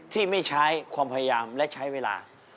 ที่ไม่ใช้ความพยายามและใช้เวลา